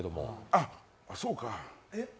あ、そうか。